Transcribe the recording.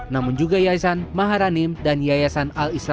namun juga yayasan maharanim dan yayasan al islam